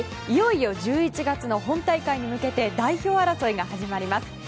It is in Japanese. いよいよ１１月の本大会に向けて代表争いが始まります。